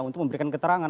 untuk memberikan keterangan